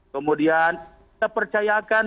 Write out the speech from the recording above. kemudian kita percayakan